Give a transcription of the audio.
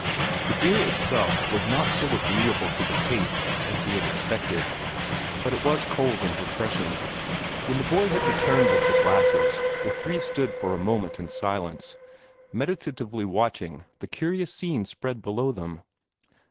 The beer itself was not so agreeable to the taste as he had expected, but it was cold and refreshing. When the boy had returned with the glasses, the three stood for a moment in silence, meditatively watching the curious scene spread below them.